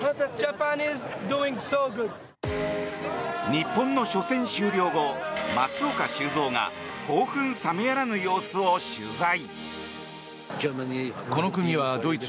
日本の初戦終了後松岡修造が興奮冷めやらぬ様子を取材。